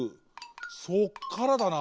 そっからだな。